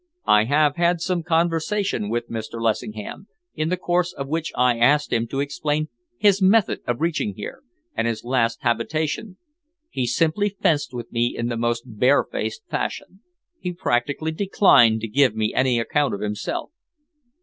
"I have had some conversation with Mr. Lessingham, in the course of which I asked him to explain his method of reaching here, and his last habitation. He simply fenced with me in the most barefaced fashion. He practically declined to give me any account of himself."